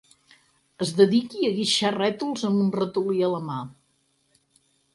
Es dediqui a guixar rètols amb un ratolí a la mà.